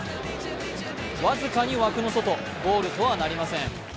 僅かに枠の外ゴールとはなりません。